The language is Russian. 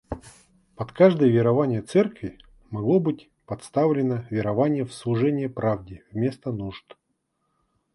Под каждое верование церкви могло быть подставлено верование в служение правде вместо нужд.